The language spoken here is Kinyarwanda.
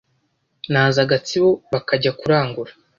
naza Gatsibo bakajya kuharangura.